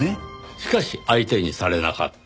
しかし相手にされなかった。